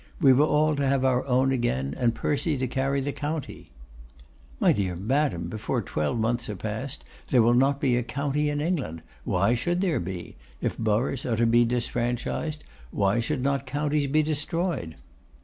We were all to have our own again; and Percy to carry the county.' 'My dear Madam, before twelve months are past, there will not be a county in England. Why should there be? If boroughs are to be disfranchised, why should not counties be destroyed?